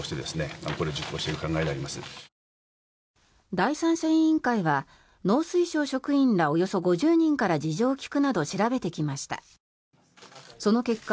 第三者委員会は農水省職員らおよそ５０人から事情を聴くなど調べてきました。